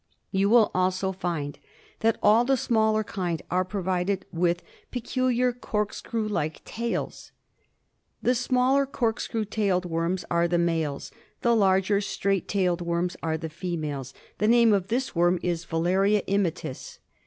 You will also find that all tht smaller kind are provided with peculiar corkscrew liki tails. The smaller corkscrew tailed worms are tht males ; the larger straight tailed worms are the females; The name of this worm is Filarta immitis.